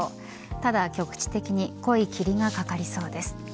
ただ、局地的に濃い霧がかかりそうです。